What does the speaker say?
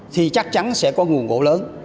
thì chắc chắn sẽ có nguồn gỗ lớn